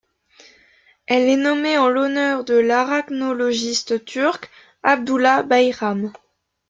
Elle est nommée en l'honneur de l'arachnologiste turque Abdullah Bayram.